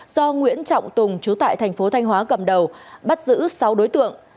do nguyễn trọng tùng chú tại tp thanh hóa cầm đầu bắt giữ sáu đối tượng